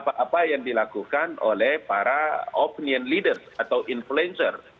terkait dengan apa yang dilakukan oleh para opinion leader atau influencer